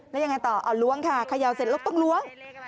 แล้วยังไงต่ออ่าร้วงค่ะเขย่าเศริษฐ์ลึกต้องร้วง